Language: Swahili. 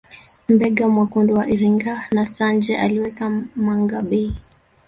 Mbega mwekundu wa Iringa na Sanje aliweka mangabey